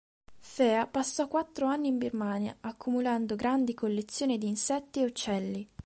Fea passò quattro anni in Birmania, accumulando grandi collezioni di insetti e uccelli.